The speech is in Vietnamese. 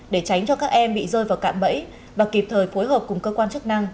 để tránh cho các em bị rơi vào cạm bẫy và kịp thời phối hợp cùng cơ quan chức năng